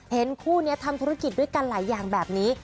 คู่นี้ทำธุรกิจด้วยกันหลายอย่างแบบนี้